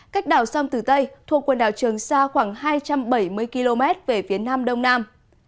cách đảo sông tử tây thuộc quần đảo trường sa khoảng hai trăm bảy mươi km về phía nam đông nam